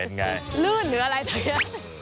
เป็นอย่างไรลื่นหรืออะไรตอนนี้